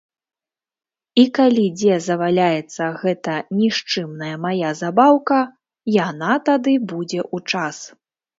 І калі дзе заваляецца гэта нішчымная мая забаўка, яна тады будзе ў час.